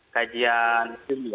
kajian simil ya